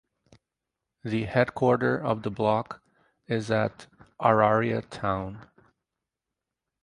The headquarter of the block is at Araria town.